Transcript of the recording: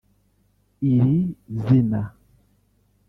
Iri zina